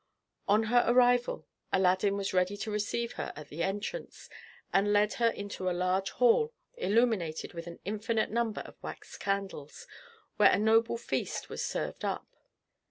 On her arrival Aladdin was ready to receive her at the entrance, and led her into a large hall, illuminated with an infinite number of wax candles, where a noble feast was served up.